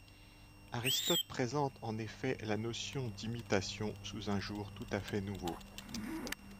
Aristote présente en effet la notion d’imitation sous un jour tout à fait nouveau.